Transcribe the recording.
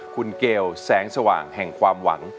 คุณเกลแสงสว่างแห่งความหวัง